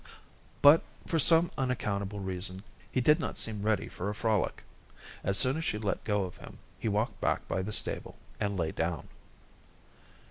But, for some unaccountable reason, he did not seem ready for a frolic. As soon as she let go of him, he walked back by the stable and lay down.